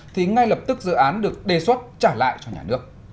thì ngay lập tức dự án được đề xuất trả lại cho nhà nước